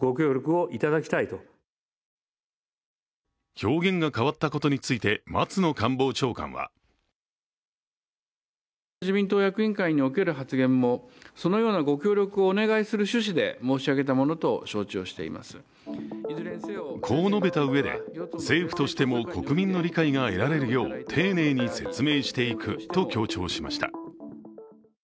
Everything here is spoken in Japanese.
表現が変わったことについて松野官房長官はこう述べたうえで、政府としても国民の理解が得られるよう丁寧に説明していくと強調しました。